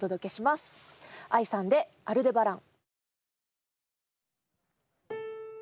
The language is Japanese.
ＡＩさんで「アルデバラン」。